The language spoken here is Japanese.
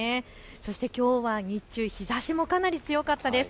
そしてきょうは日中日ざしもかなり強かったです。